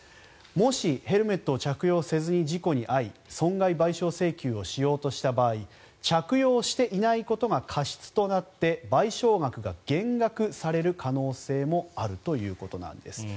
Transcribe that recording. もしヘルメットを着用せずに事故に遭い損害賠償請求をしようとした場合着用していないことが過失となって賠償額が減額される可能性もあるということなんです。